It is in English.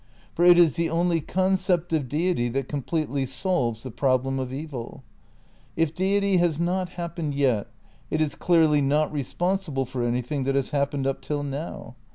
V THE CRITICAL PREPARATIONS 211 For it is the only concept of Deity that completely solves the problem of evil. If Deity has not happened yet, it is clearly not responsible for anything that has happened up till now.